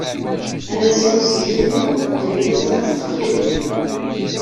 Anasiw n uselkim-iw ufgent-as aṭṭas n tqeffilin.